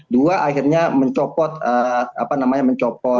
dua akhirnya mencopot apa namanya mencopot